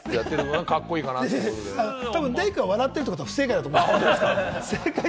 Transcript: たぶんデイくんが笑ってるってことは、不正解だと思います。